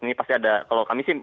ini pasti ada kalau kami sih